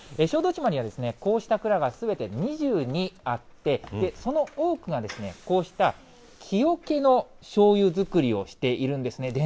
小豆島にはこうした蔵がすべて２２あって、その多くがこうした木おけのしょうゆ造りをしているんですね。